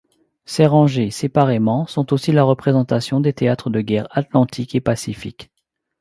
Ces rangées, séparément, sont aussi la représentation des théâtres de guerre atlantique et pacifique.